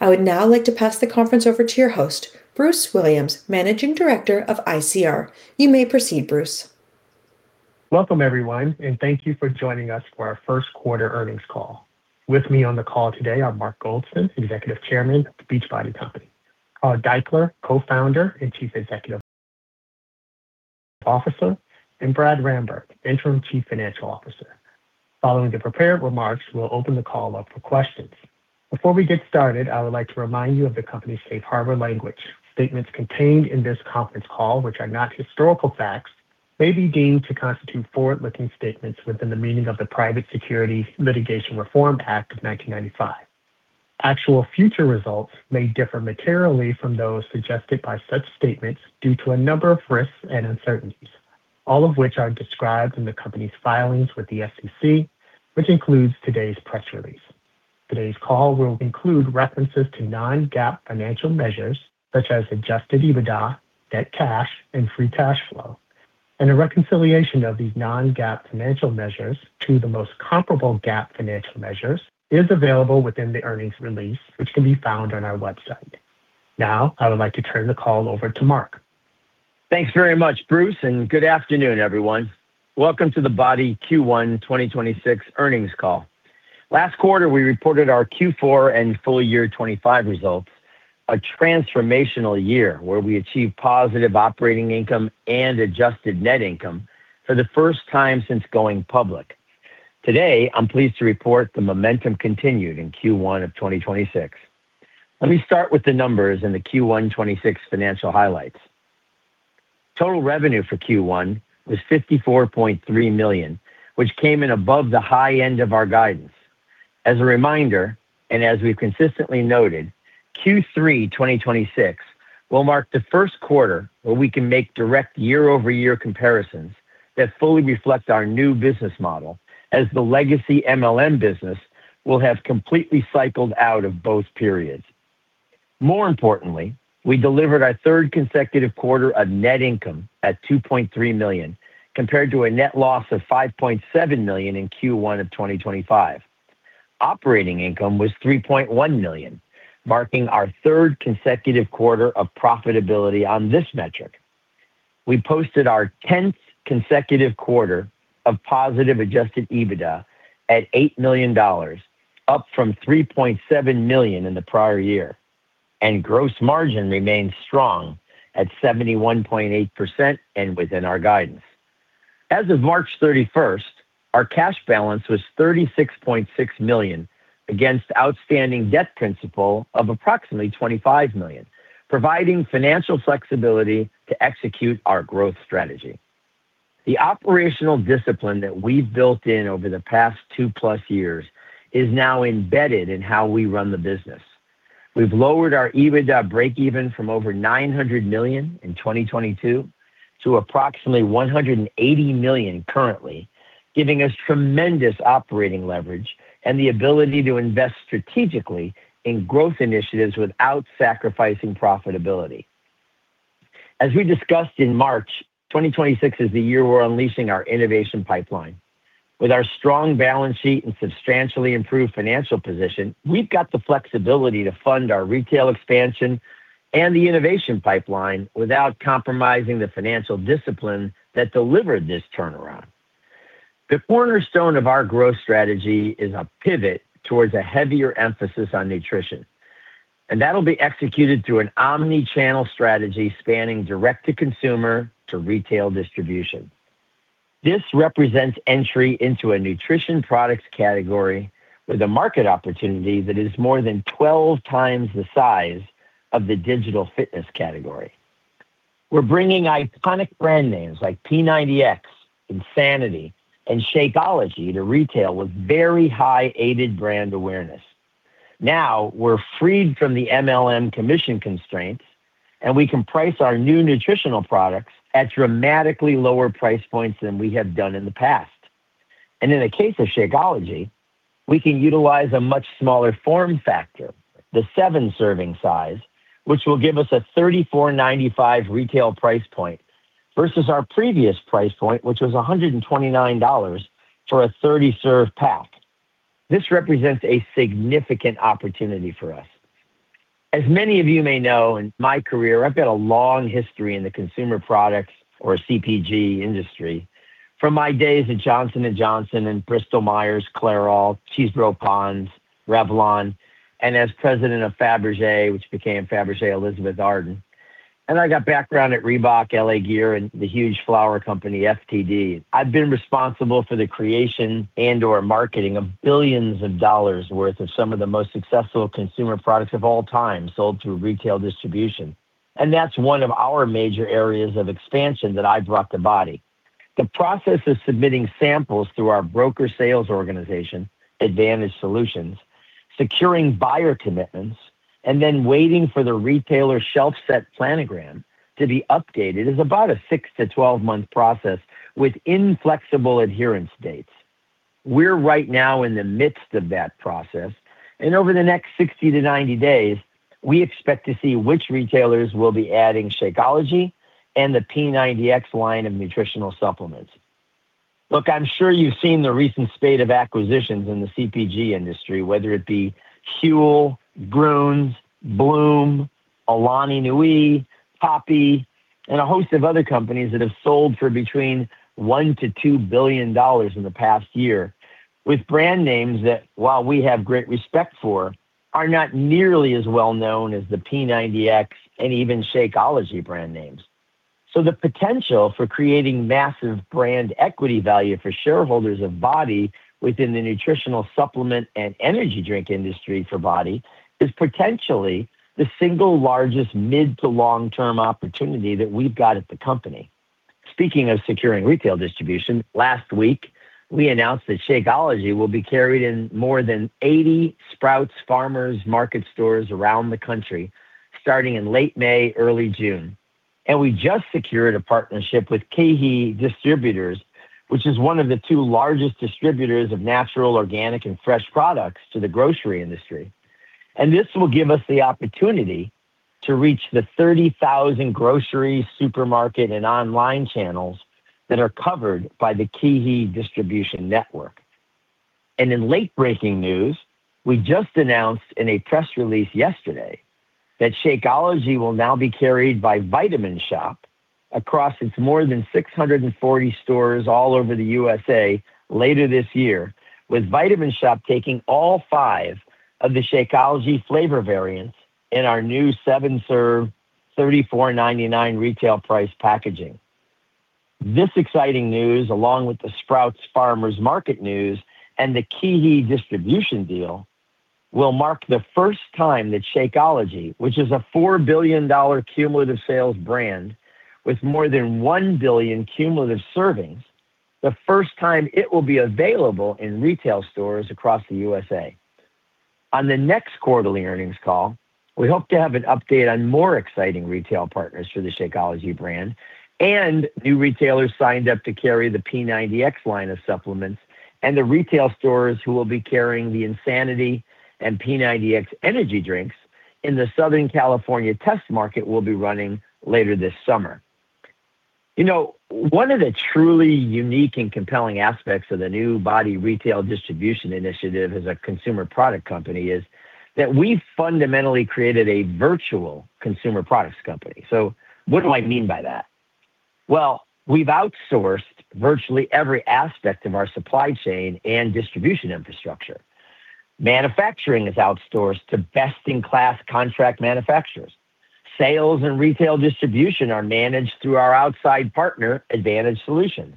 I would now like to pass the conference over to your host, Bruce Williams, Managing Director of ICR. You may proceed, Bruce. Welcome, everyone, and thank you for joining us for our first quarter earnings call. With me on the call today are Mark Goldston, Executive Chairman of The Beachbody Company, Carl Daikeler, Co-founder and Chief Executive Officer, and Brad Ramberg, Interim Chief Financial Officer. Following the prepared remarks, we will open the call up for questions. Before we get started, I would like to remind you of the company's safe harbor language. Statements contained in this conference call, which are not historical facts, may be deemed to constitute forward-looking statements within the meaning of the Private Securities Litigation Reform Act of 1995. Actual future results may differ materially from those suggested by such statements due to a number of risks and uncertainties, all of which are described in the company's filings with the SEC, which includes today's press release. Today's call will include references to non-GAAP financial measures, such as adjusted EBITDA, net cash, and free cash flow. A reconciliation of these non-GAAP financial measures to the most comparable GAAP financial measures is available within the earnings release, which can be found on our website. Now, I would like to turn the call over to Mark. Thanks very much, Bruce, and good afternoon, everyone. Welcome to the BODi Q1 2026 earnings call. Last quarter, we reported our Q4 and full year 2025 results, a transformational year where we achieved positive operating income and adjusted net income for the first time since going public. Today, I'm pleased to report the momentum continued in Q1 of 2026. Let me start with the numbers in the Q1 2026 financial highlights. Total revenue for Q1 was $54.3 million, which came in above the high end of our guidance. As a reminder, and as we've consistently noted, Q3 2026 will mark the first quarter where we can make direct year-over-year comparisons that fully reflect our new business model as the legacy MLM business will have completely cycled out of both periods. More importantly, we delivered our third consecutive quarter of net income at $2.3 million, compared to a net loss of $5.7 million in Q1 of 2025. Operating income was $3.1 million, marking our third consecutive quarter of profitability on this metric. We posted our 10th consecutive quarter of positive adjusted EBITDA at $8 million, up from $3.7 million in the prior year, and gross margin remains strong at 71.8% and within our guidance. As of March 31st, our cash balance was $36.6 million against outstanding debt principal of approximately $25 million, providing financial flexibility to execute our growth strategy. The operational discipline that we've built in over the past two-plus years is now embedded in how we run the business. We've lowered our EBITDA break even from over $900 million in 2022 to approximately $180 million currently, giving us tremendous operating leverage and the ability to invest strategically in growth initiatives without sacrificing profitability. As we discussed in March, 2026 is the year we're unleashing our innovation pipeline. With our strong balance sheet and substantially improved financial position, we've got the flexibility to fund our retail expansion and the innovation pipeline without compromising the financial discipline that delivered this turnaround. The cornerstone of our growth strategy is a pivot towards a heavier emphasis on nutrition. That'll be executed through an omni-channel strategy spanning direct-to-consumer to retail distribution. This represents entry into a nutrition products category with a market opportunity that is more than 12 times the size of the digital fitness category. We're bringing iconic brand names like P90X, Insanity, and Shakeology to retail with very high aided brand awareness. Now, we're freed from the MLM commission constraints, we can price our new nutritional products at dramatically lower price points than we have done in the past. In the case of Shakeology, we can utilize a much smaller form factor, the seven serving size, which will give us a $34.95 retail price point versus our previous price point, which was $129 for a 30-serve pack. This represents a significant opportunity for us. As many of you may know, in my career, I've got a long history in the consumer products or CPG industry. From my days at Johnson & Johnson and Bristol-Myers, Clairol, Chesebrough-Pond's, Revlon, and as president of Fabergé, which became Fabergé Elizabeth Arden. I got background at Reebok, LA Gear, and the huge flower company, FTD. I've been responsible for the creation and/or marketing of billions of dollars worth of some of the most successful consumer products of all time sold through retail distribution, and that's one of our major areas of expansion that I brought to BODi. The process of submitting samples through our broker sales organization, Advantage Solutions, securing buyer commitments, and then waiting for the retailer shelf set planogram to be updated is about a 6-12 month process with inflexible adherence dates. We're right now in the midst of that process, and over the next 60-90 days, we expect to see which retailers will be adding Shakeology and the P90X line of nutritional supplements. Look, I'm sure you've seen the recent spate of acquisitions in the CPG industry, whether it be Huel, Grüns, Bloom, Alani Nu, Poppi, and a host of other companies that have sold for between $1 billion-$2 billion in the past year with brand names that, while we have great respect for, are not nearly as well known as the P90X and even Shakeology brand names. The potential for creating massive brand equity value for shareholders of BODi within the nutritional supplement and energy drink industry for BODi is potentially the single largest mid-to long-term opportunity that we've got at the company. Speaking of securing retail distribution, last week we announced that Shakeology will be carried in more than 80 Sprouts Farmers Market stores around the country starting in late May, early June. We just secured a partnership with KeHE Distributors, which is one of the two largest distributors of natural, organic, and fresh products to the grocery industry. This will give us the opportunity to reach the 30,000 grocery, supermarket, and online channels that are covered by the KeHE distribution network. In late-breaking news, we just announced in a press release yesterday that Shakeology will now be carried by The Vitamin Shoppe across its more than 640 stores all over the U.S.A. later this year, with The Vitamin Shoppe taking all five of the Shakeology flavor variants in our new 7-serve, $34.99 retail price packaging. This exciting news, along with the Sprouts Farmers Market news and the KeHE distribution deal, will mark the first time that Shakeology, which is a $4 billion cumulative sales brand with more than 1 billion cumulative servings, the first time it will be available in retail stores across the USA. On the next quarterly earnings call, we hope to have an update on more exciting retail partners for the Shakeology brand and new retailers signed up to carry the P90X line of supplements and the retail stores who will be carrying the Insanity and P90X energy drinks in the Southern California test market we'll be running later this summer. You know, one of the truly unique and compelling aspects of the new BODi retail distribution initiative as a consumer product company is that we've fundamentally created a virtual consumer products company. What do I mean by that? Well, we've outsourced virtually every aspect of our supply chain and distribution infrastructure. Manufacturing is outsourced to best-in-class contract manufacturers. Sales and retail distribution are managed through our outside partner, Advantage Solutions.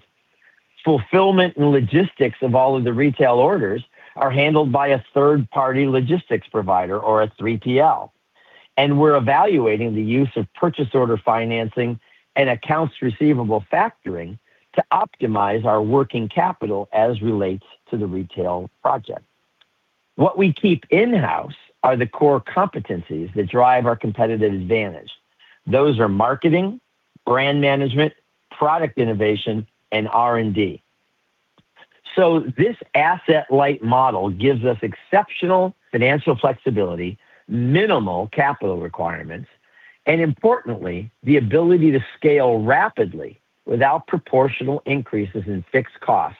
Fulfillment and logistics of all of the retail orders are handled by a third-party logistics provider or a 3PL. We're evaluating the use of purchase order financing and accounts receivable factoring to optimize our working capital as relates to the retail project. What we keep in-house are the core competencies that drive our competitive advantage. Those are marketing, brand management, product innovation, and R&D. This asset-light model gives us exceptional financial flexibility, minimal capital requirements, and importantly, the ability to scale rapidly without proportional increases in fixed costs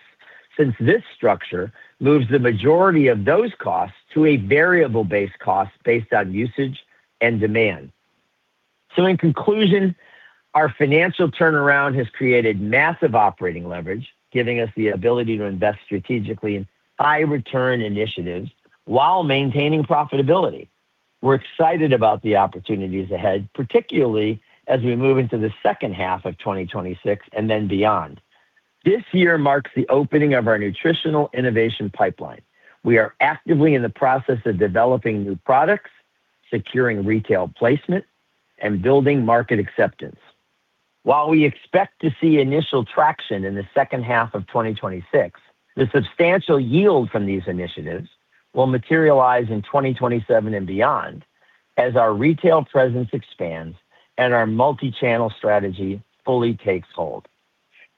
since this structure moves the majority of those costs to a variable-based cost based on usage and demand. In conclusion, our financial turnaround has created massive operating leverage, giving us the ability to invest strategically in high-return initiatives while maintaining profitability. We're excited about the opportunities ahead, particularly as we move into the second half of 2026 and then beyond. This year marks the opening of our nutritional innovation pipeline. We are actively in the process of developing new products, securing retail placement, and building market acceptance. While we expect to see initial traction in the second half of 2026, the substantial yield from these initiatives will materialize in 2027 and beyond as our retail presence expands and our multi-channel strategy fully takes hold.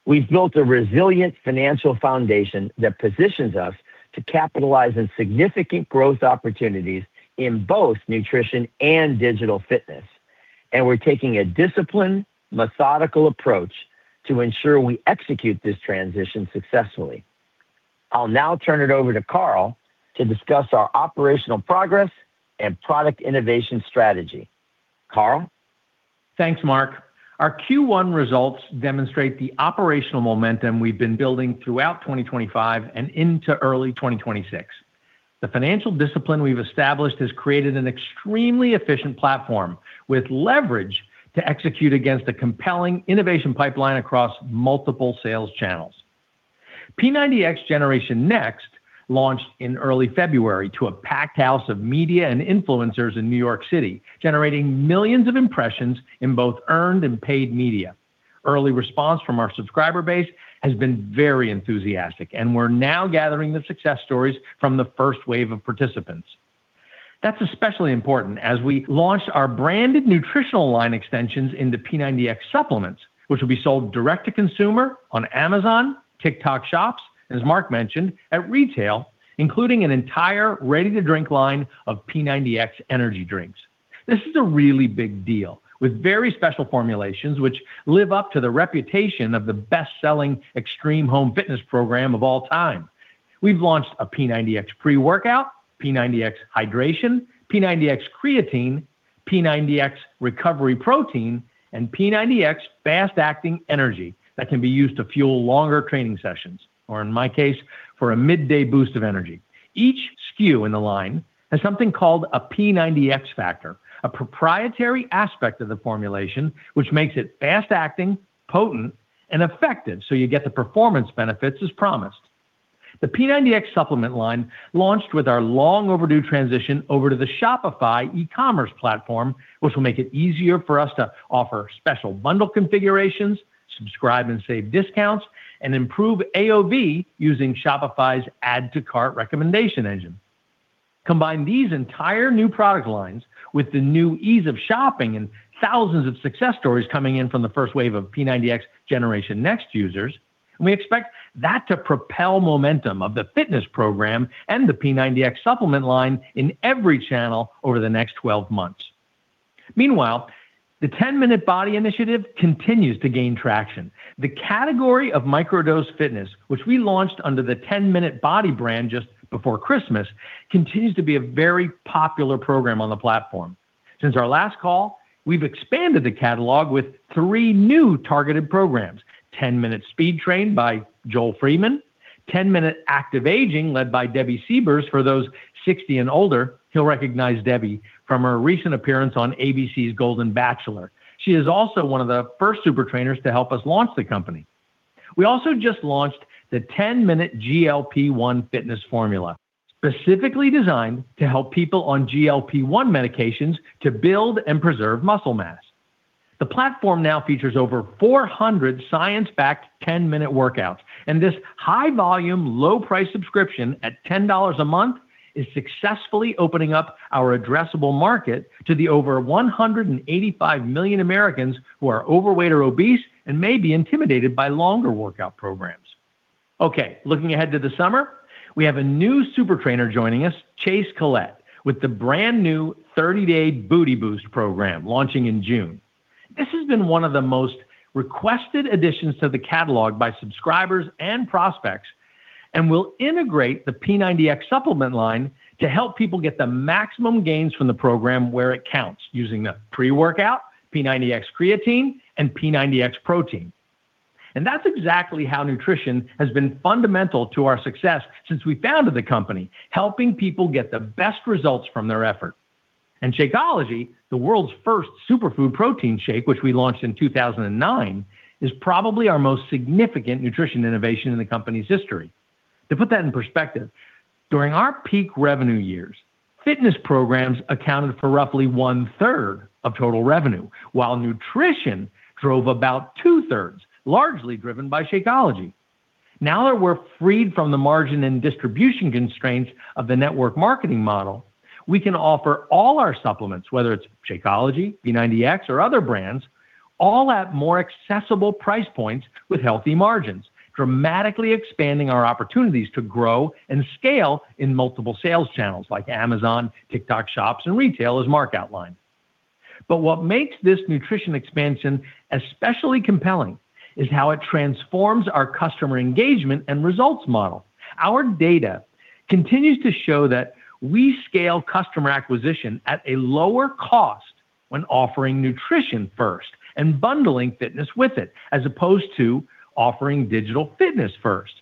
We've built a resilient financial foundation that positions us to capitalize on significant growth opportunities in both nutrition and digital fitness, and we're taking a disciplined, methodical approach to ensure we execute this transition successfully. I'll now turn it over to Carl to discuss our operational progress and product innovation strategy. Carl? Thanks, Mark. Our Q1 results demonstrate the operational momentum we've been building throughout 2025 and into early 2026. The financial discipline we've established has created an extremely efficient platform with leverage to execute against a compelling innovation pipeline across multiple sales channels. P90X Generation Next launched in early February to a packed house of media and influencers in New York City, generating millions of impressions in both earned and paid media. Early response from our subscriber base has been very enthusiastic, and we're now gathering the success stories from the first wave of participants. That's especially important as we launch our branded nutritional line extensions in the P90X supplements, which will be sold direct to consumer on Amazon, TikTok Shop, and as Mark mentioned, at retail, including an entire ready-to-drink line of P90X Energy drinks. This is a really big deal with very special formulations which live up to the reputation of the best-selling extreme home fitness program of all time. We've launched a P90X Pre-Workout, P90X Hydration, P90X Creatine, P90X 100% Whey Protein, and P90X Energy that can be used to fuel longer training sessions, or in my case, for a midday boost of energy. Each SKU in the line has something called a P90X Factor, a proprietary aspect of the formulation which makes it fast-acting, potent, and effective, so you get the performance benefits as promised. The P90X supplement line launched with our long overdue transition over to the Shopify e-commerce platform, which will make it easier for us to offer special bundle configurations, subscribe and save discounts, and improve AOV using Shopify's add to cart recommendation engine. We expect that to propel momentum of the fitness program and the P90X supplement line in every channel over the next 12 months. Meanwhile, the Ten Minute BODi initiative continues to gain traction. The category of micro-dose fitness, which we launched under the Ten Minute BODi brand just before Christmas, continues to be a very popular program on the platform. Since our last call, we've expanded the catalog with three new targeted programs, Ten Minute Speed Train by Joel Freeman, Ten Minute Active Aging led by Debbie Siebers for those 60 and older. You'll recognize Debbie from her recent appearance on ABC's The Golden Bachelor. She is also one of the first super trainers to help us launch the company. We also just launched the Ten Minute GLP-1 Fitness Formula, specifically designed to help people on GLP-1 medications to build and preserve muscle mass. The platform now features over 400 science-backed 10-minute workouts, and this high-volume, low-price subscription at $10 a month is successfully opening up our addressable market to the over 185 million Americans who are overweight or obese and may be intimidated by longer workout programs. Okay, looking ahead to the summer, we have a new super trainer joining us, Chase Collett, with the brand-new Thirty-Day Booty Boost program launching in June. This has been one of the most requested additions to the catalog by subscribers and prospects. We'll integrate the P90X supplement line to help people get the maximum gains from the program where it counts, using the pre-workout, P90X Creatine, and P90X protein. That's exactly how nutrition has been fundamental to our success since we founded the company, helping people get the best results from their effort. Shakeology, the world's first superfood protein shake, which we launched in 2009, is probably our most significant nutrition innovation in the company's history. To put that in perspective, during our peak revenue years, fitness programs accounted for roughly one-third of total revenue, while nutrition drove about two-thirds, largely driven by Shakeology. Now that we're freed from the margin and distribution constraints of the network marketing model, we can offer all our supplements, whether it's Shakeology, P90X, or other brands, all at more accessible price points with healthy margins, dramatically expanding our opportunities to grow and scale in multiple sales channels like Amazon, TikTok Shops, and retail, as Mark outlined. What makes this nutrition expansion especially compelling is how it transforms our customer engagement and results model. Our data continues to show that we scale customer acquisition at a lower cost when offering nutrition first and bundling fitness with it, as opposed to offering digital fitness first.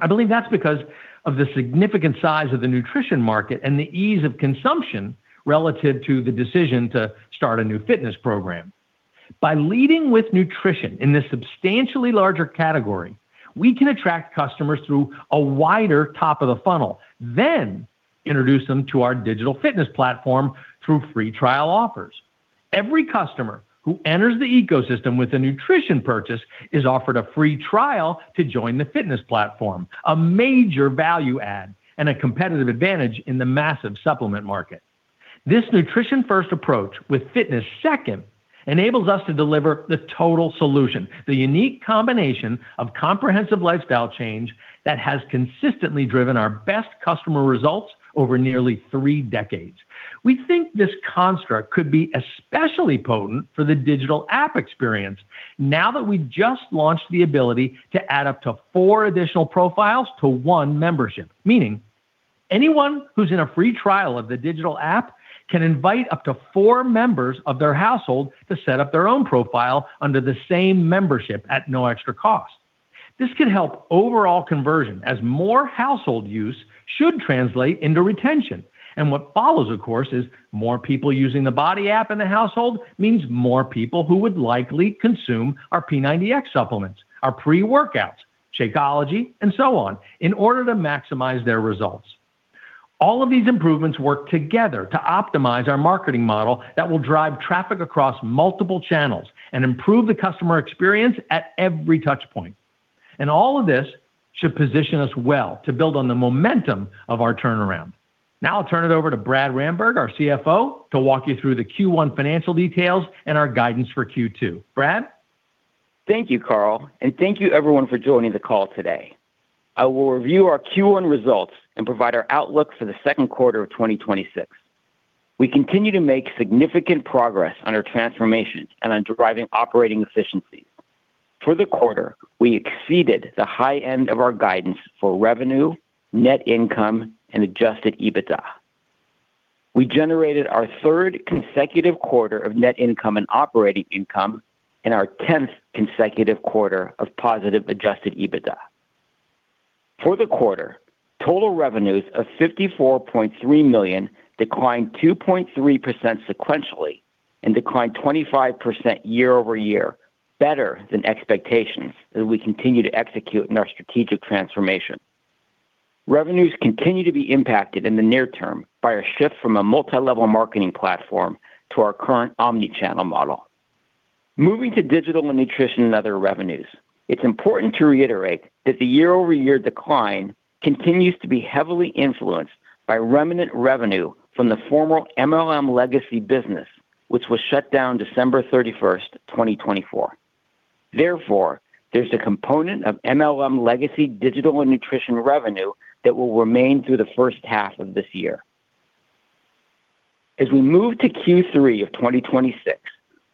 I believe that's because of the significant size of the nutrition market and the ease of consumption relative to the decision to start a new fitness program. By leading with nutrition in this substantially larger category, we can attract customers through a wider top of the funnel, then introduce them to our digital fitness platform through free trial offers. Every customer who enters the ecosystem with a nutrition purchase is offered a free trial to join the fitness platform, a major value add and a competitive advantage in the massive supplement market. This nutrition-first approach with fitness second enables us to deliver the total solution, the unique combination of comprehensive lifestyle change that has consistently driven our best customer results over nearly three decades. We think this construct could be especially potent for the digital app experience now that we've just launched the ability to add up to four additional profiles to one membership, meaning anyone who's in a free trial of the digital app can invite up to four members of their household to set up their own profile under the same membership at no extra cost. This could help overall conversion as more household use should translate into retention. What follows, of course, is more people using the BODi app in the household means more people who would likely consume our P90X supplements, our pre-workouts, Shakeology, and so on, in order to maximize their results. All of these improvements work together to optimize our marketing model that will drive traffic across multiple channels and improve the customer experience at every touchpoint. All of this should position us well to build on the momentum of our turnaround. Now I'll turn it over to Brad Ramberg, our CFO, to walk you through the Q1 financial details and our guidance for Q2. Brad? Thank you, Carl, and thank you everyone for joining the call today. I will review our Q1 results and provide our outlook for the second quarter of 2026. We continue to make significant progress on our transformation and on driving operating efficiencies. For the quarter, we exceeded the high end of our guidance for revenue, net income, and adjusted EBITDA. We generated our third consecutive quarter of net income and operating income and our tenth consecutive quarter of positive adjusted EBITDA. For the quarter, total revenues of $54.3 million declined 2.3% sequentially and declined 25% year-over-year, better than expectations as we continue to execute on our strategic transformation. Revenues continue to be impacted in the near term by a shift from a multi-level marketing platform to our current omni-channel model. Moving to digital and nutrition and other revenues, it's important to reiterate that the year-over-year decline continues to be heavily influenced by remnant revenue from the former MLM legacy business, which was shut down December 31, 2024. There's a component of MLM legacy digital and nutrition revenue that will remain through the first half of this year. We move to Q3 of 2026,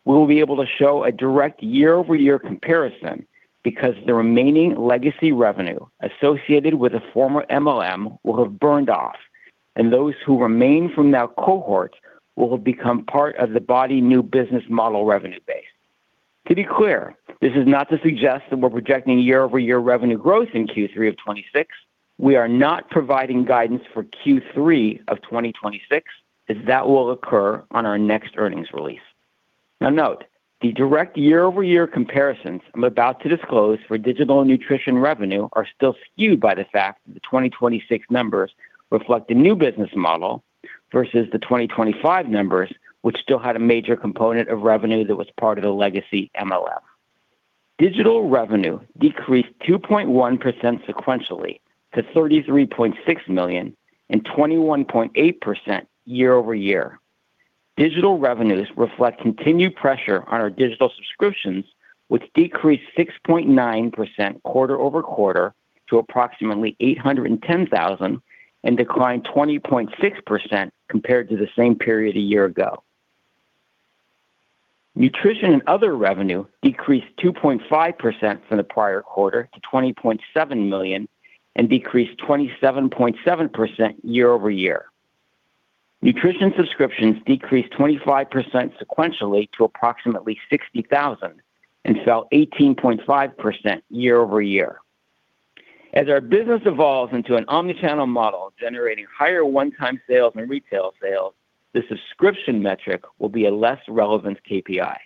we will be able to show a direct year-over-year comparison because the remaining legacy revenue associated with the former MLM will have burned off, and those who remain from that cohort will have become part of the BODi new business model revenue base. To be clear, this is not to suggest that we're projecting year-over-year revenue growth in Q3 of 2026. We are not providing guidance for Q3 of 2026, that will occur on our next earnings release. Now note, the direct year-over-year comparisons I'm about to disclose for digital and nutrition revenue are still skewed by the fact that the 2026 numbers reflect a new business model versus the 2025 numbers, which still had a major component of revenue that was part of the legacy MLM. Digital revenue decreased 2.1% sequentially to $33.6 million and 21.8% year-over-year. Digital revenues reflect continued pressure on our digital subscriptions, which decreased 6.9% quarter-over-quarter to approximately 810,000 and declined 20.6% compared to the same period a year ago. Nutrition and other revenue decreased 2.5% from the prior quarter to $20.7 million and decreased 27.7% year-over-year. Nutrition subscriptions decreased 25% sequentially to approximately 60,000 and fell 18.5% year-over-year. As our business evolves into an omni-channel model generating higher one-time sales and retail sales, the subscription metric will be a less relevant KPI.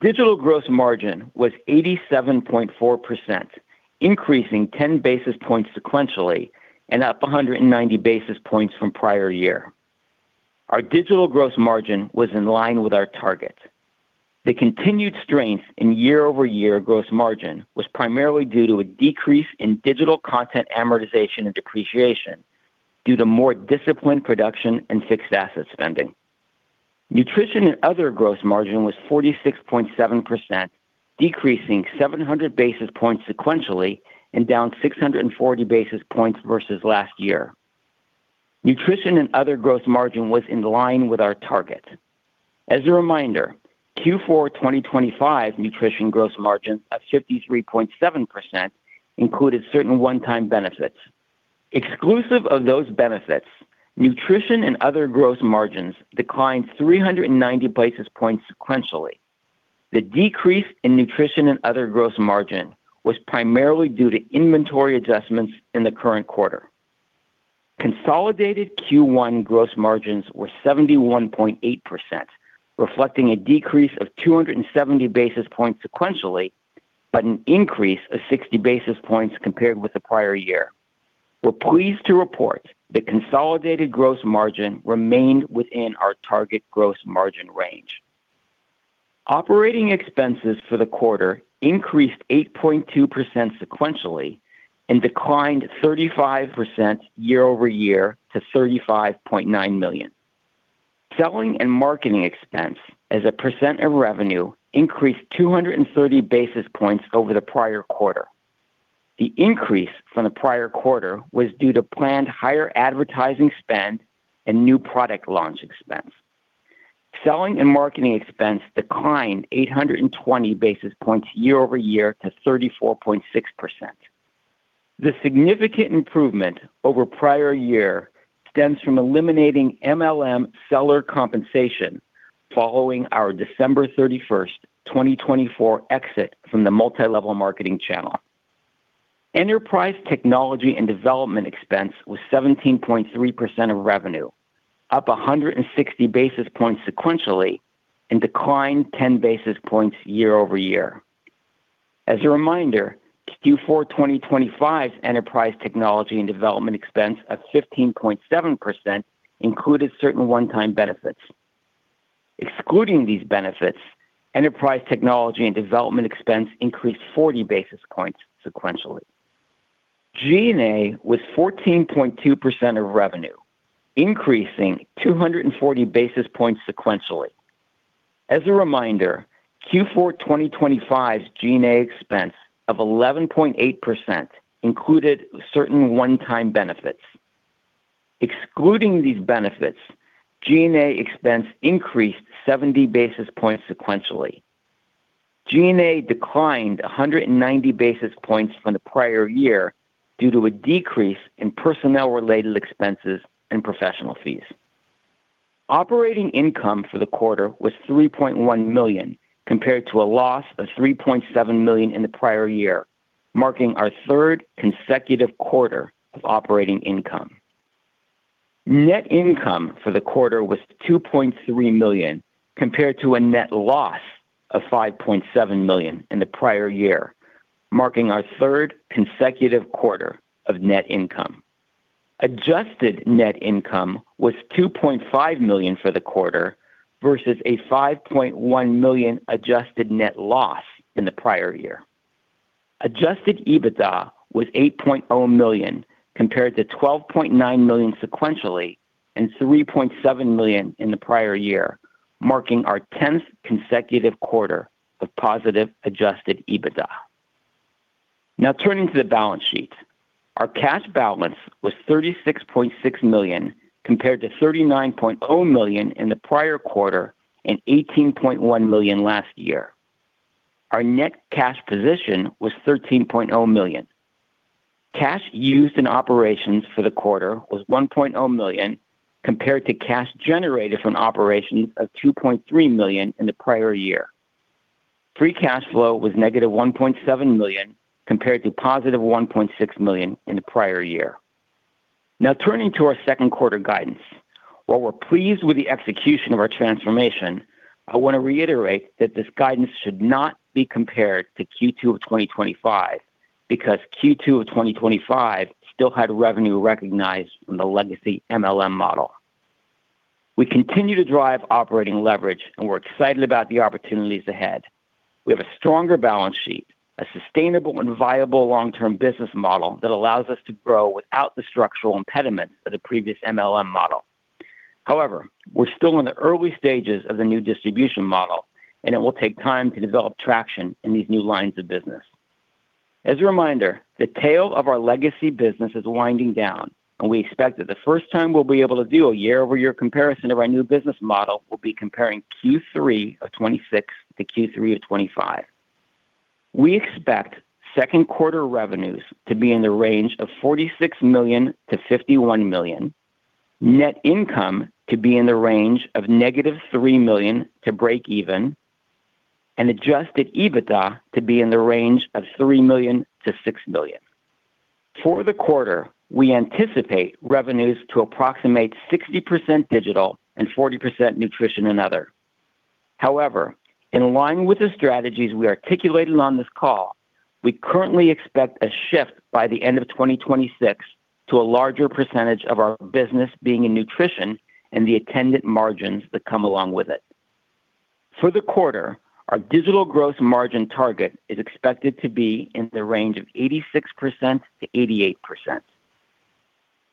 Digital gross margin was 87.4%, increasing 10 basis points sequentially and up 190 basis points from prior year. Our digital gross margin was in line with our target. The continued strength in year-over-year gross margin was primarily due to a decrease in digital content amortization and depreciation due to more disciplined production and fixed asset spending. Nutrition and other gross margin was 46.7%, decreasing 700 basis points sequentially and down 640 basis points versus last year. Nutrition and other gross margin was in line with our target. As a reminder, Q4 2025 nutrition gross margin of 53.7% included certain one-time benefits. Exclusive of those benefits, nutrition and other gross margins declined 390 basis points sequentially. The decrease in nutrition and other gross margin was primarily due to inventory adjustments in the current quarter. Consolidated Q1 gross margins were 71.8%, reflecting a decrease of 270 basis points sequentially, but an increase of 60 basis points compared with the prior year. We're pleased to report that consolidated gross margin remained within our target gross margin range. Operating expenses for the quarter increased 8.2% sequentially and declined 35% year-over-year to $35.9 million. Selling and marketing expense as a percent of revenue increased 230 basis points over the prior quarter. The increase from the prior quarter was due to planned higher advertising spend and new product launch expense. Selling and marketing expense declined 820 basis points year-over-year to 34.6%. The significant improvement over prior year stems from eliminating MLM seller compensation following our December 31, 2024 exit from the multi-level marketing channel. Enterprise technology and development expense was 17.3% of revenue, up 160 basis points sequentially, and declined 10 basis points year-over-year. As a reminder, Q4 2025's enterprise technology and development expense of 15.7% included certain one-time benefits. Excluding these benefits, enterprise technology and development expense increased 40 basis points sequentially. G&A was 14.2% of revenue, increasing 240 basis points sequentially. As a reminder, Q4 2025's G&A expense of 11.8% included certain one-time benefits. Excluding these benefits, G&A expense increased 70 basis points sequentially. G&A declined 190 basis points from the prior year due to a decrease in personnel-related expenses and professional fees. Operating income for the quarter was $3.1 million, compared to a loss of $3.7 million in the prior year, marking our third consecutive quarter of operating income. Net income for the quarter was $2.3 million, compared to a net loss of $5.7 million in the prior year, marking our third consecutive quarter of net income. Adjusted net income was $2.5 million for the quarter versus a $5.1 million adjusted net loss in the prior year. Adjusted EBITDA was $8.0 million compared to $12.9 million sequentially and $3.7 million in the prior year, marking our 10th consecutive quarter of positive adjusted EBITDA. Now turning to the balance sheet. Our cash balance was $36.6 million compared to $39.0 million in the prior quarter and $18.1 million last year. Our net cash position was $13.0 million. Cash used in operations for the quarter was $1.0 million compared to cash generated from operations of $2.3 million in the prior year. Free cash flow was negative $1.7 million compared to positive $1.6 million in the prior year. Now turning to our second quarter guidance. While we're pleased with the execution of our transformation, I wanna reiterate that this guidance should not be compared to Q2 of 2025, because Q2 of 2025 still had revenue recognized from the legacy MLM model. We continue to drive operating leverage, and we're excited about the opportunities ahead. We have a stronger balance sheet, a sustainable and viable long-term business model that allows us to grow without the structural impediment of the previous MLM model. However, we're still in the early stages of the new distribution model, and it will take time to develop traction in these new lines of business. As a reminder, the tail of our legacy business is winding down, and we expect that the first time we'll be able to do a year-over-year comparison of our new business model will be comparing Q3 of 2026 to Q3 of 2025. We expect second quarter revenues to be in the range of $46 million-$51 million, net income to be in the range of -$3 million to break even, and adjusted EBITDA to be in the range of $3 million-$6 million. For the quarter, we anticipate revenues to approximate 60% digital and 40% nutrition and other. However, in line with the strategies we articulated on this call, we currently expect a shift by the end of 2026 to a larger percentage of our business being in nutrition and the attendant margins that come along with it. For the quarter, our digital gross margin target is expected to be in the range of 86%-88%.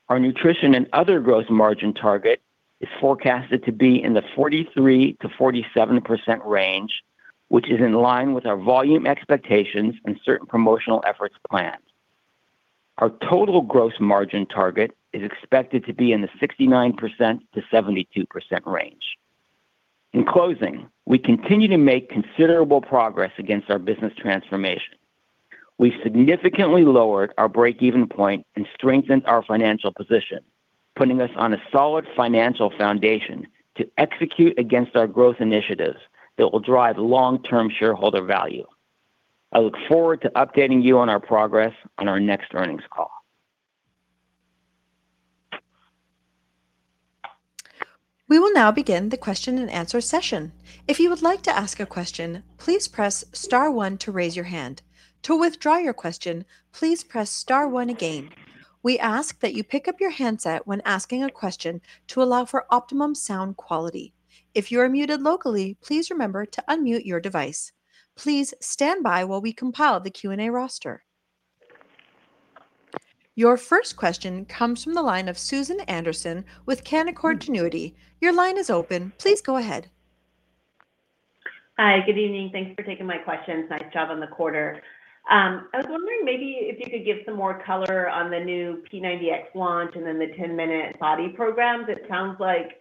Our nutrition and other gross margin target is forecasted to be in the 43%-47% range, which is in line with our volume expectations and certain promotional efforts planned. Our total gross margin target is expected to be in the 69%-72% range. In closing, we continue to make considerable progress against our business transformation. We significantly lowered our break-even point and strengthened our financial position, putting us on a solid financial foundation to execute against our growth initiatives that will drive long-term shareholder value. I look forward to updating you on our progress on our next earnings call. We will now begin the question and answer session. Your first question comes from the line of Susan Anderson with Canaccord Genuity. Your line is open. Please go ahead. Hi. Good evening. Thanks for taking my questions. Nice job on the quarter. I was wondering maybe if you could give some more color on the new P90X launch and then the Ten Minute BODi programs. It sounds like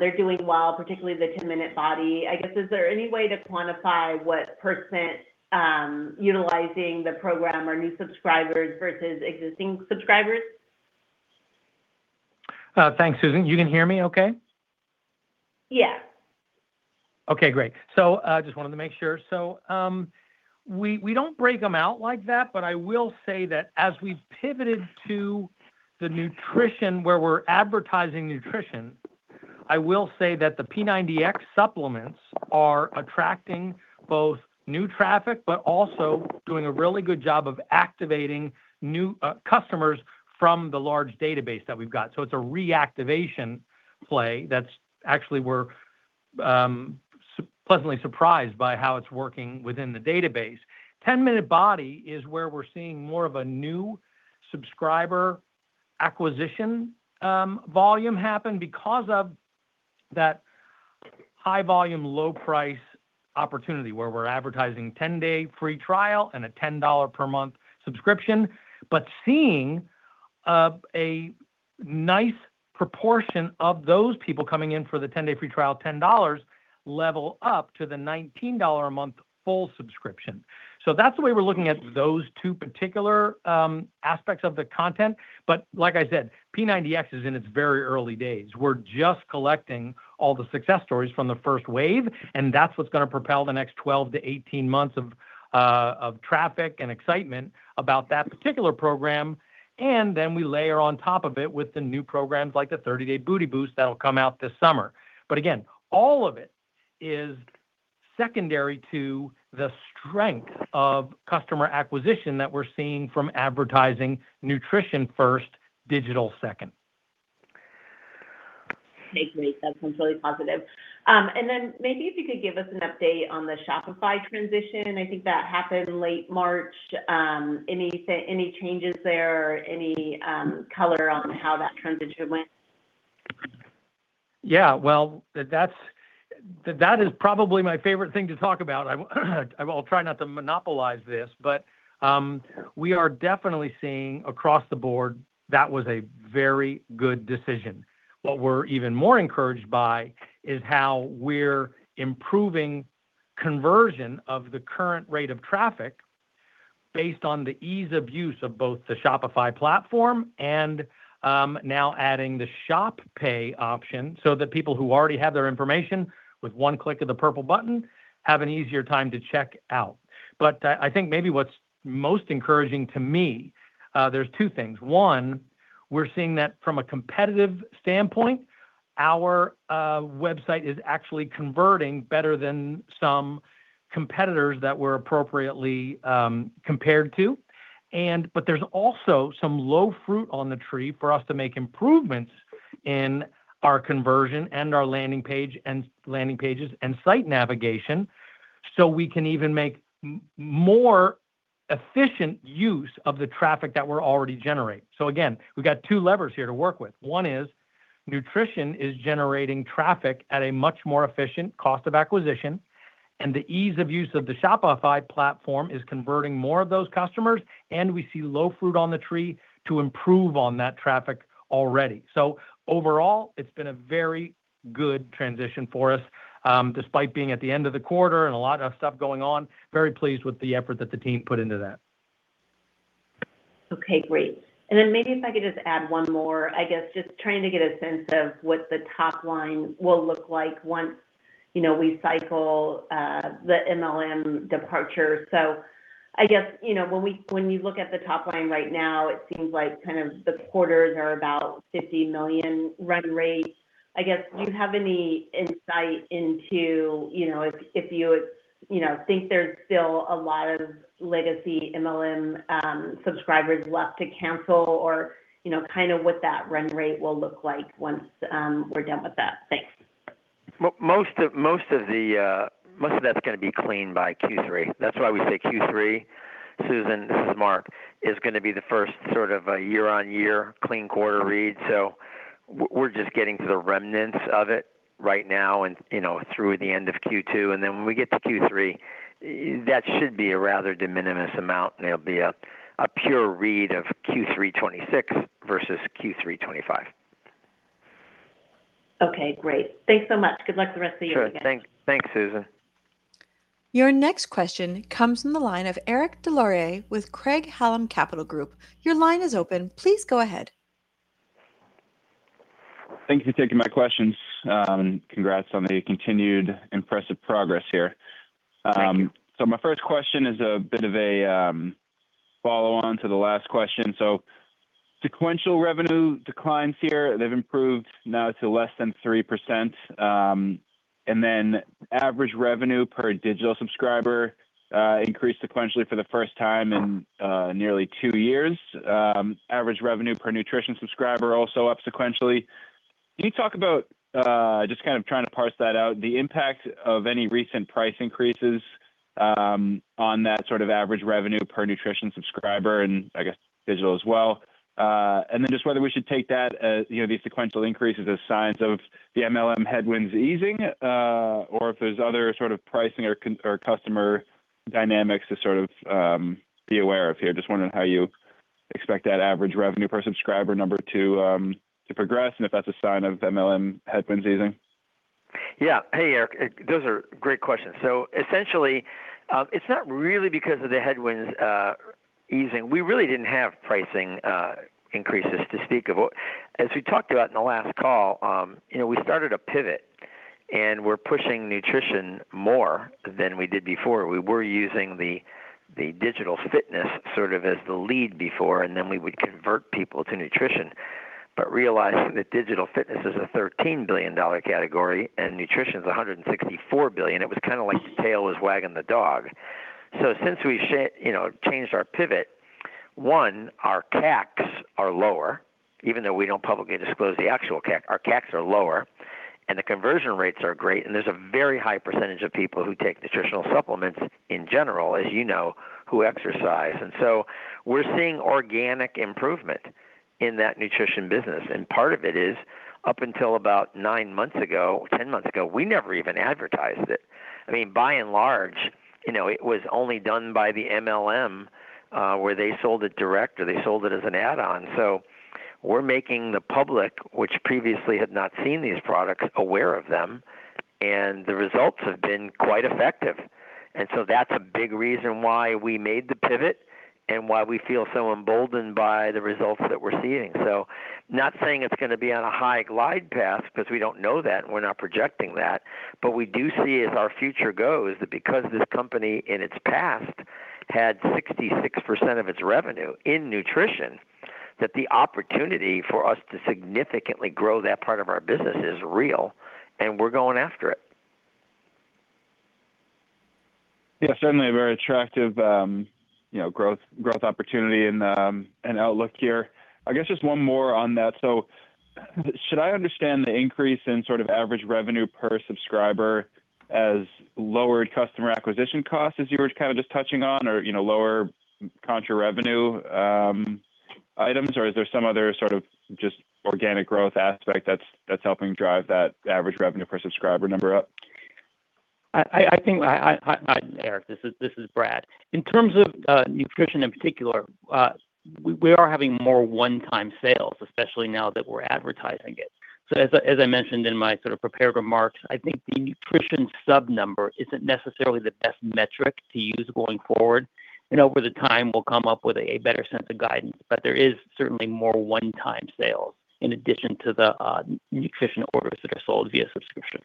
they're doing well, particularly the Ten Minute BODi. I guess, is there any way to quantify what %, utilizing the program are new subscribers versus existing subscribers? Thanks, Susan. You can hear me okay? Yeah. Okay, great. Just wanted to make sure. We don't break them out like that, but I will say that as we've pivoted to the nutrition where we're advertising nutrition, I will say that the P90X supplements are attracting both new traffic, but also doing a really good job of activating new customers from the large database that we've got. It's a reactivation play. Pleasantly surprised by how it's working within the database. Ten Minute BODi is where we're seeing more of a new subscriber acquisition volume happen because of that high volume, low price opportunity where we're advertising 10-day free trial and a $10 per month subscription. Seeing a nice proportion of those people coming in for the 10-day free trial at $10 level up to the $19 a month full subscription. That's the way we're looking at those two particular aspects of the content. Like I said, P90X is in its very early days. We're just collecting all the success stories from the first wave, and that's what's gonna propel the next 12-18 months of traffic and excitement about that particular program. We layer on top of it with the new programs like the Thirty-Day Booty Boost that'll come out this summer. Again, all of it is secondary to the strength of customer acquisition that we're seeing from advertising nutrition first, digital second. Okay, great. That sounds really positive. Then maybe if you could give us an update on the Shopify transition. I think that happened late March. Any changes there? Any color on how that transition went? Well, that is probably my favorite thing to talk about. I will try not to monopolize this, we are definitely seeing across the board that was a very good decision. What we're even more encouraged by is how we're improving conversion of the current rate of traffic based on the ease of use of both the Shopify platform and, now adding the Shop Pay option so that people who already have their information, with one click of the purple button, have an easier time to check out. I think maybe what's most encouraging to me, there's two things. One, we're seeing that from a competitive standpoint, our website is actually converting better than some competitors that we're appropriately compared to. There's also some low fruit on the tree for us to make improvements in our conversion and our landing page, and landing pages and site navigation so we can even make more efficient use of the traffic that we're already generating. Again, we've got two levers here to work with. One is nutrition is generating traffic at a much more efficient cost of acquisition, and the ease of use of the Shopify platform is converting more of those customers, and we see low fruit on the tree to improve on that traffic already. Overall, it's been a very good transition for us, despite being at the end of the quarter and a lot of stuff going on. Very pleased with the effort that the team put into that. Okay. Great. Maybe if I could just add one more. I guess, just trying to get a sense of what the top line will look like once, you know, we cycle the MLM departure. I guess, you know, when you look at the top line right now, it seems like kind of the quarters are about $50 million run rate. I guess, do you have any insight into, you know, if you know, think there's still a lot of legacy MLM subscribers left to cancel or, you know, kind of what that run rate will look like once we're done with that? Thanks. Most of that's gonna be clean by Q3. That's why we say Q3, Susan, this is Mark, is gonna be the first sort of a year-on-year clean quarter read. We're just getting to the remnants of it right now and, you know, through the end of Q2, and then when we get to Q3, that should be a rather de minimis amount, and it'll be a pure read of Q3 2026 versus Q3 2025. Okay. Great. Thanks so much. Good luck the rest of the year again. Sure. Thanks, Susan. Your next question comes from the line of Eric Des Lauriers with Craig-Hallum Capital Group. Thank you for taking my questions. Congrats on the continued impressive progress here. Thank you. My first question is a bit of a follow-on to the last question. Sequential revenue declines here, they've improved now to less than 3%. Average revenue per digital subscriber increased sequentially for the first time in nearly two years. Average revenue per nutrition subscriber also up sequentially. Can you talk about just kind of trying to parse that out, the impact of any recent price increases on that sort of average revenue per nutrition subscriber and I guess digital as well? Just whether we should take that, you know, these sequential increases as signs of the MLM headwinds easing, or if there's other sort of pricing or customer dynamics to sort of be aware of here. Just wondering how you expect that average revenue per subscriber number to progress and if that's a sign of MLM headwinds easing. Hey, Eric. Those are great questions. Essentially, it's not really because of the headwinds easing. We really didn't have pricing increases to speak of. As we talked about in the last call, you know, we started a pivot, and we're pushing nutrition more than we did before. We were using the digital fitness sort of as the lead before, and then we would convert people to nutrition. Realizing that digital fitness is a $13 billion category and nutrition is a $164 billion, it was kind of like the tail is wagging the dog. Since we you know, changed our pivot. One, our CACs are lower, even though we don't publicly disclose the actual CAC, our CACs are lower, and the conversion rates are great, and there's a very high percentage of people who take nutritional supplements in general, as you know, who exercise. We're seeing organic improvement in that nutrition business, and part of it is up until about nine months ago, 10 months ago, we never even advertised it. I mean, by and large, you know, it was only done by the MLM, where they sold it direct or they sold it as an add-on. So we're making the public, which previously had not seen these products, aware of them, and the results have been quite effective. That's a big reason why we made the pivot and why we feel so emboldened by the results that we're seeing. Not saying it's going to be on a high glide path because we don't know that, we're not projecting that, but we do see as our future goes that because this company in its past had 66% of its revenue in nutrition, that the opportunity for us to significantly grow that part of our business is real, and we're going after it. Yeah, certainly a very attractive, you know, growth opportunity and outlook here. I guess just one more on that. Should I understand the increase in sort of average revenue per subscriber as lowered customer acquisition costs as you were kind of just touching on or, you know, lower contra revenue items, or is there some other sort of just organic growth aspect that's helping drive that average revenue per subscriber number up? I think Hi, Eric. This is Brad. In terms of nutrition in particular, we are having more one-time sales, especially now that we're advertising it. As I mentioned in my sort of prepared remarks, I think the nutrition sub number isn't necessarily the best metric to use going forward. Over the time, we'll come up with a better sense of guidance. There is certainly more one-time sales in addition to the nutrition orders that are sold via subscription.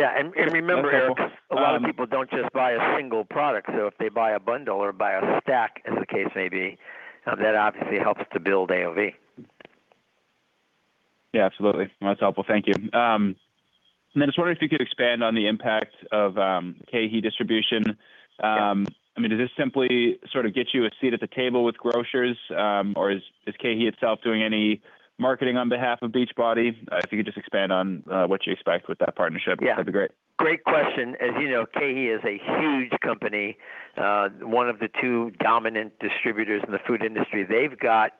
Yeah. Remember, Eric- Okay. A lot of people don't just buy a single product. If they buy a bundle or buy a stack, as the case may be, that obviously helps to build AOV. Yeah, absolutely. That's helpful. Thank you. I was wondering if you could expand on the impact of KeHE Distributors. Yeah. I mean, does this simply sort of get you a seat at the table with grocers, or is KeHE itself doing any marketing on behalf of Beachbody? If you could just expand on what you expect with that partnership? Yeah. That'd be great. Great question. As you know, KeHE is a huge company, one of the two dominant distributors in the food industry. They've got,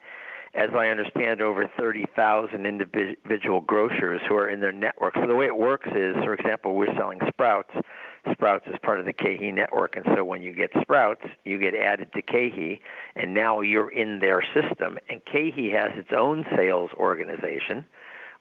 as I understand, over 30,000 individual grocers who are in their network. The way it works is, for example, we're selling Sprouts. Sprouts is part of the KeHE network, when you get Sprouts, you get added to KeHE, now you're in their system. KeHE has its own sales organization,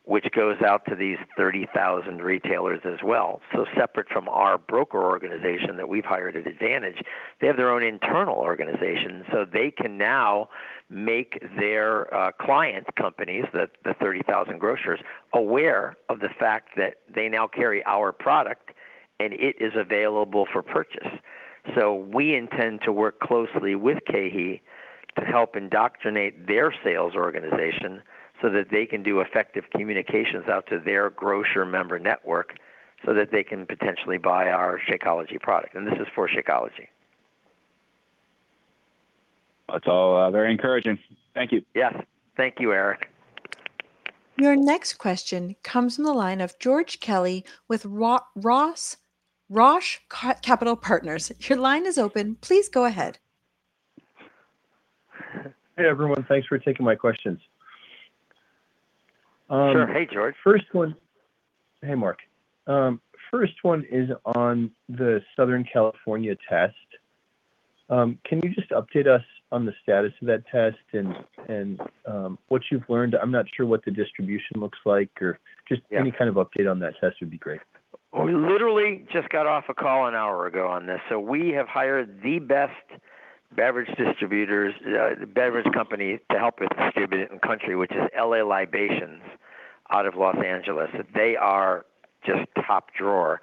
which goes out to these 30,000 retailers as well. Separate from our broker organization that we've hired at Advantage, they have their own internal organization. They can now make their client companies, the 30,000 grocers, aware of the fact that they now carry our product and it is available for purchase. We intend to work closely with KeHE to help indoctrinate their sales organization so that they can do effective communications out to their grocer member network so that they can potentially buy our Shakeology product, and this is for Shakeology. That's all, very encouraging. Thank you. Yes. Thank you, Eric. Your next question comes from the line of George Kelly with ROTH Capital Partners. Your line is open. Please go ahead. Hey, everyone. Thanks for taking my questions. Sure. Hey, George. First one, Hey Mark. First one is on the Southern California test. Can you just update us on the status of that test and what you've learned? I'm not sure what the distribution looks like or just- Yeah. Any kind of update on that test would be great. We literally just got off a call 1 hour ago on this. We have hired the best beverage distributors, beverage company to help with distribution in the country, which is L.A. Libations out of Los Angeles. They are just top drawer.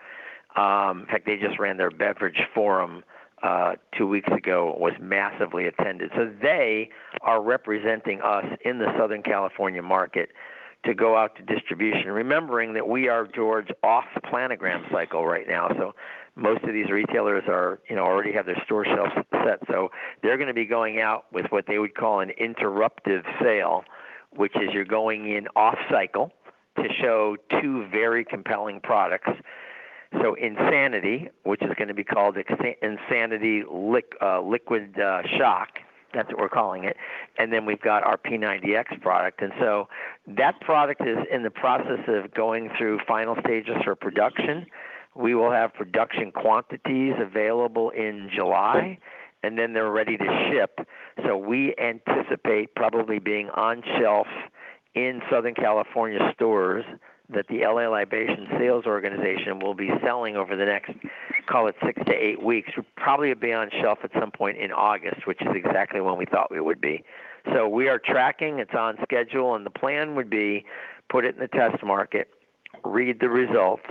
In fact, they just ran their beverage forum, two weeks ago. It was massively attended. They are representing us in the Southern California market to go out to distribution, remembering that we are, George, off the planogram cycle right now. Most of these retailers are, you know, already have their store shelves set. They're gonna be going out with what they would call an interruptive sale, which is you're going in off cycle to show two very compelling products. Insanity, which is gonna be called Insanity Liquid Shock, that's what we're calling it, and then we've got our P90X product. That product is in the process of going through final stages for production. We will have production quantities available in July, and then they're ready to ship. We anticipate probably being on shelf in Southern California stores that the L.A. Libations sales organization will be selling over the next, call it, six to eight weeks. We'll probably be on shelf at some point in August, which is exactly when we thought we would be. We are tracking, it's on schedule, and the plan would be put it in the test market, read the results,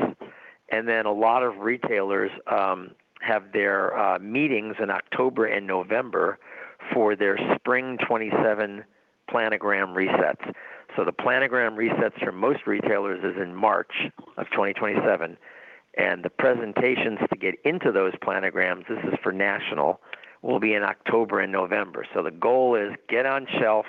and then a lot of retailers have their meetings in October and November for their Spring 2027 planogram resets. The planogram resets for most retailers is in March of 2027. And the presentations to get into those planograms, this is for national, will be in October and November. The goal is get on shelf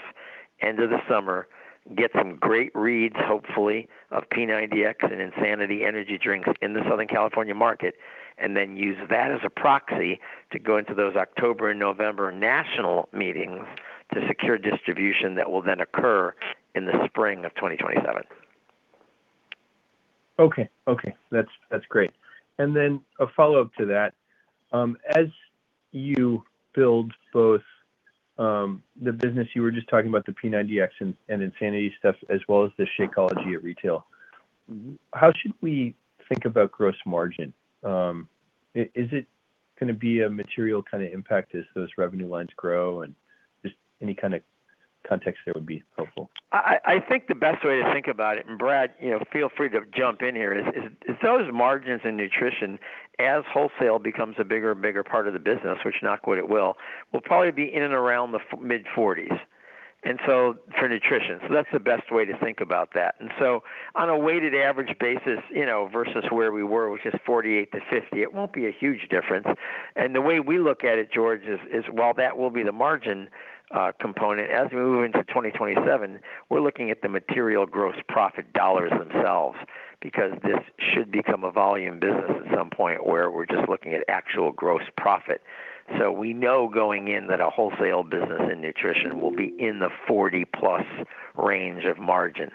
end of the summer, get some great reads, hopefully, of P90X and Insanity energy drinks in the Southern California market, and then use that as a proxy to go into those October and November national meetings to secure distribution that will then occur in the spring of 2027. Okay. Okay. That's great. Then a follow-up to that. As you build both the business you were just talking about, the P90X and Insanity stuff, as well as the Shakeology at retail, how should we think about gross margin? Is it gonna be a material kind of impact as those revenue lines grow? Just any kind of context there would be helpful. I think the best way to think about it, Brad, you know, feel free to jump in here, is those margins in nutrition as wholesale becomes a bigger and bigger part of the business, which knock wood it will probably be in and around the mid-40s for nutrition. That's the best way to think about that. On a weighted average basis, you know, versus where we were, which is 48%-50%, it won't be a huge difference. The way we look at it, George, is while that will be the margin component, as we move into 2027, we're looking at the material gross profit dollars themselves because this should become a volume business at some point where we're just looking at actual gross profit. We know going in that a wholesale business in nutrition will be in the 40-plus range of margin.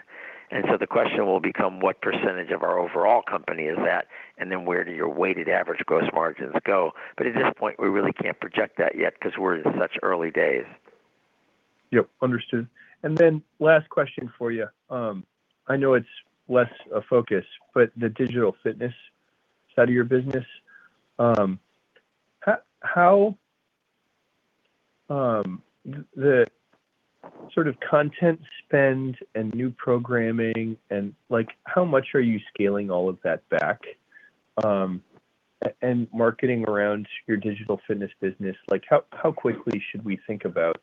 The question will become what percentage of our overall company is that, and then where do your weighted average gross margins go? At this point, we really can't project that yet because we're in such early days. Yep, understood. Last question for you. I know it's less a focus, but the digital fitness side of your business, how the sort of content spend and new programming and, like, how much are you scaling all of that back? Marketing around your digital fitness business, like, how quickly should we think about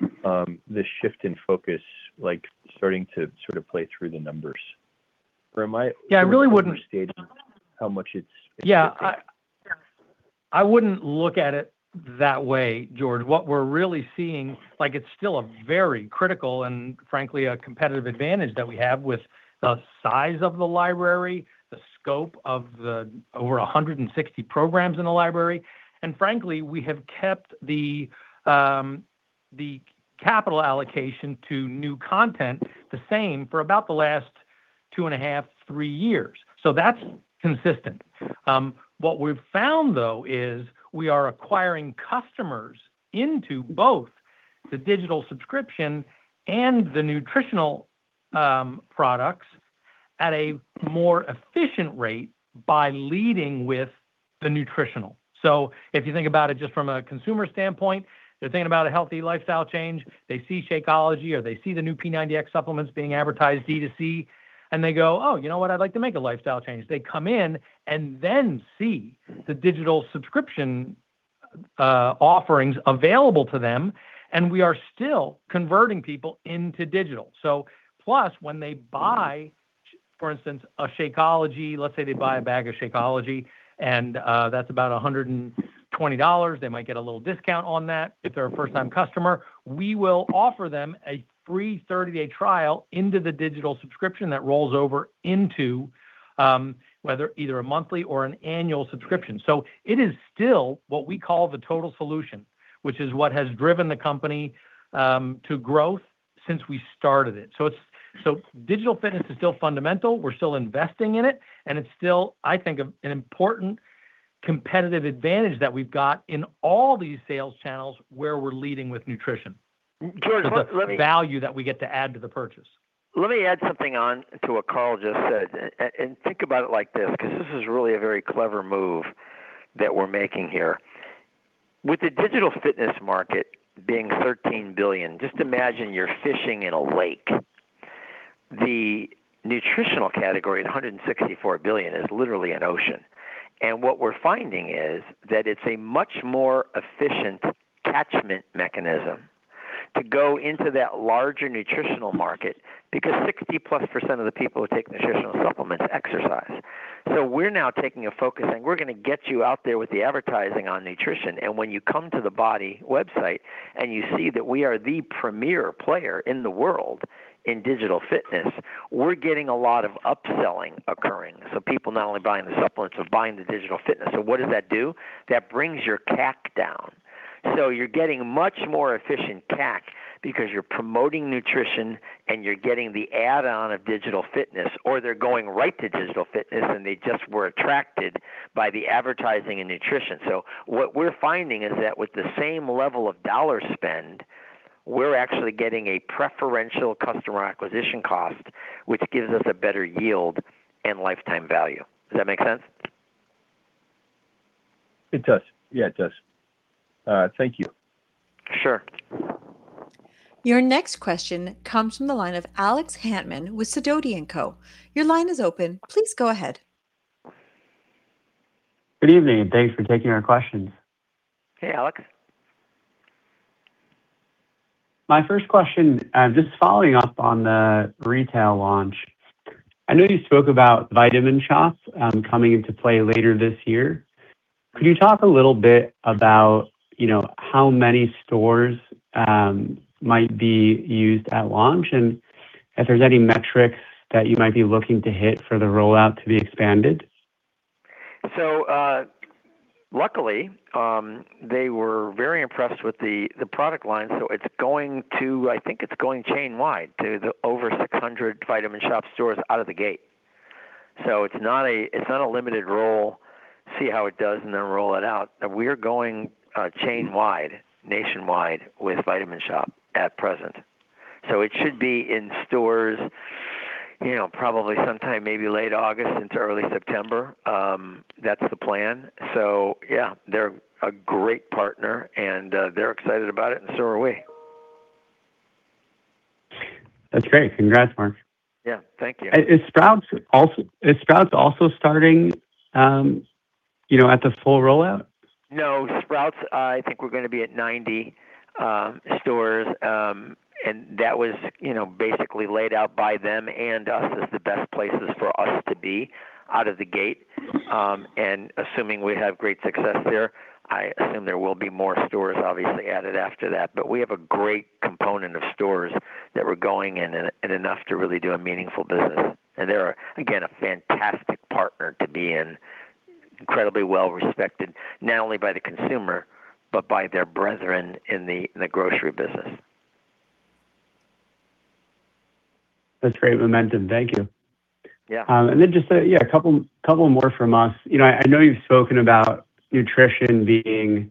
the shift in focus, like, starting to sort of play through the numbers? Yeah. understating how much it's impacting? Yeah, I wouldn't look at it that way, George. What we're really seeing, like, it's still a very critical and, frankly, a competitive advantage that we have with the size of the library, the scope of the over 160 programs in the library, and frankly, we have kept the capital allocation to new content the same for about the last two and a half, three years. That's consistent. What we've found, though, is we are acquiring customers into both the digital subscription and the nutritional products at a more efficient rate by leading with the nutritional. If you think about it just from a consumer standpoint, they're thinking about a healthy lifestyle change. They see Shakeology, or they see the new P90X supplements being advertised D2C, and they go, "Oh, you know what? I'd like to make a lifestyle change." They come in and then see the digital subscription, offerings available to them, and we are still converting people into digital. Plus, when they buy, for instance, a Shakeology, let's say they buy a bag of Shakeology, and, that's about $120. They might get a little discount on that if they're a first-time customer. We will offer them a free 30-day trial into the digital subscription that rolls over into, whether either a monthly or an annual subscription. It is still what we call the total solution, which is what has driven the company, to growth since we started it. Digital fitness is still fundamental. We're still investing in it, and it's still, I think, an important competitive advantage that we've got in all these sales channels where we're leading with nutrition. George, let. the value that we get to add to the purchase. Let me add something on to what Carl just said, and think about it like this, because this is really a very clever move that we're making here. With the digital fitness market being $13 billion, just imagine you're fishing in a lake. The nutritional category, at $164 billion, is literally an ocean. What we're finding is that it's a much more efficient attachment mechanism to go into that larger nutritional market because 60%+ of the people who take nutritional supplements exercise. We're now taking a focus saying, "We're gonna get you out there with the advertising on nutrition." When you come to the BODi website and you see that we are the premier player in the world in digital fitness, we're getting a lot of upselling occurring. People not only buying the supplements, they're buying the digital fitness. What does that do? That brings your CAC down. You're getting much more efficient CAC because you're promoting nutrition, and you're getting the add-on of digital fitness, or they're going right to digital fitness, and they just were attracted by the advertising in nutrition. What we're finding is that with the same level of dollar spend, we're actually getting a preferential customer acquisition cost, which gives us a better yield and lifetime value. Does that make sense? It does. Yeah, it does. Thank you. Sure. Your next question comes from the line of Alex Hantman with Sidoti & Company. Your line is open. Please go ahead. Good evening, and thanks for taking our questions. Hey, Alex. My first question, just following up on the retail launch. I know you spoke about The Vitamin Shoppe, coming into play later this year. Could you talk a little bit about, you know, how many stores might be used at launch, and if there's any metrics that you might be looking to hit for the rollout to be expanded? Luckily, they were very impressed with the product line, so it's going chain wide to the over 600 The Vitamin Shoppe stores out of the gate. It's not a limited roll, see how it does, and then roll it out. We're going chain wide, nationwide with The Vitamin Shoppe at present. It should be in stores, you know, probably sometime maybe late August into early September. That's the plan. Yeah, they're a great partner, and they're excited about it, and so are we. That's great. Congrats, Mark. Yeah. Thank you. Is Sprouts also starting, you know, at the full rollout? No, Sprouts, I think we're gonna be at 90 stores. That was, you know, basically laid out by them and us as the best places for us to be out of the gate. Assuming we have great success there, I assume there will be more stores obviously added after that. We have a great component of stores that we're going in and enough to really do a meaningful business. They're, again, a fantastic partner to be in. Incredibly well-respected, not only by the consumer, but by their brethren in the grocery business. That's great momentum. Thank you. Yeah. Just a, yeah, a couple more from us. You know, I know you've spoken about nutrition being,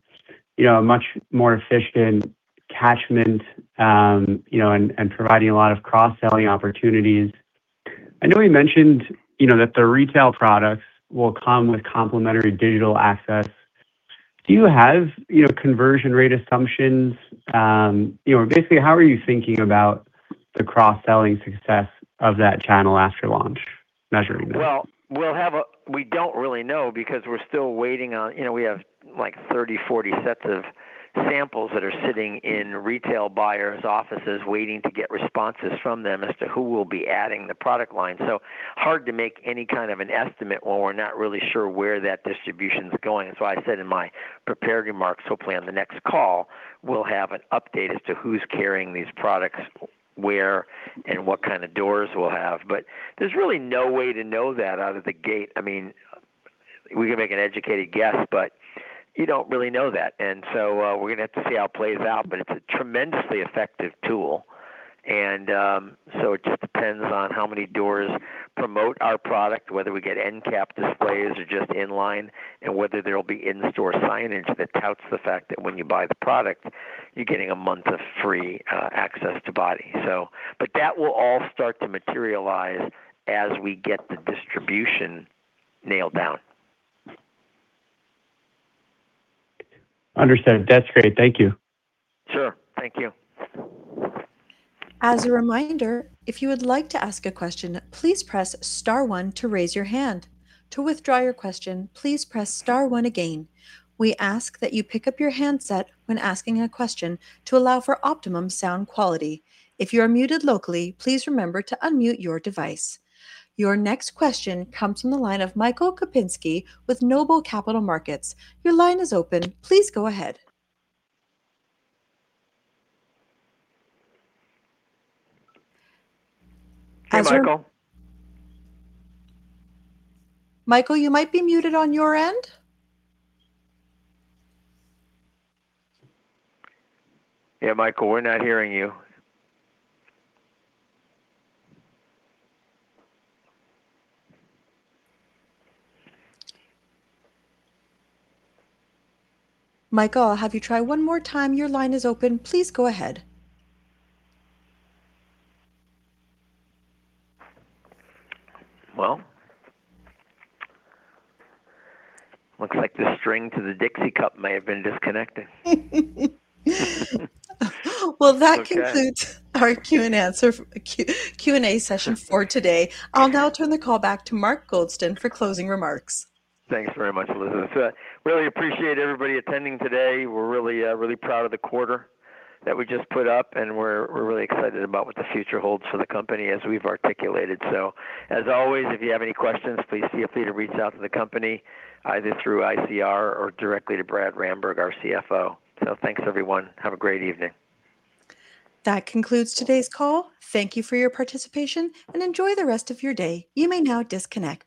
you know, a much more efficient catchment, you know, and providing a lot of cross-selling opportunities. I know you mentioned, you know, that the retail products will come with complimentary digital access. Do you have, you know, conversion rate assumptions? Basically, how are you thinking about the cross-selling success of that channel after launch, measuring that? Well, we don't really know because we're still waiting on You know, we have, like, 30, 40 sets of samples that are sitting in retail buyers' offices waiting to get responses from them as to who will be adding the product line. Hard to make any kind of an estimate when we're not really sure where that distribution's going. I said in my prepared remarks, hopefully on the next call we'll have an update as to who's carrying these products, where, and what kind of doors we'll have. There's really no way to know that out of the gate. I mean, we can make an educated guess, but you don't really know that. We're gonna have to see how it plays out, but it's a tremendously effective tool. It just depends on how many doors promote our product, whether we get end cap displays or just in line, and whether there will be in-store signage that touts the fact that when you buy the product, you're getting a month of free access to BODi. But that will all start to materialize as we get the distribution nailed down. Understood. That's great. Thank you. Sure. Thank you. Your next question comes from the line of Michael Kupinski with Noble Capital Markets. Your line is open. Please go ahead. Hi, Michael. Michael, you might be muted on your end. Yeah, Michael, we're not hearing you. Michael, I'll have you try one more time. Your line is open. Please go ahead. Well, looks like the string to the Dixie cup may have been disconnected. Okay. Well, that concludes our Q&A session for today. I'll now turn the call back to Mark Goldston for closing remarks. Thanks very much, Elizabeth. Really appreciate everybody attending today. We're really proud of the quarter that we just put up, and we're really excited about what the future holds for the company as we've articulated. As always, if you have any questions, please feel free to reach out to the company either through ICR or directly to Brad Ramberg, our CFO. Thanks, everyone. Have a great evening. That concludes today's call. Thank you for your participation, and enjoy the rest of your day. You may now disconnect.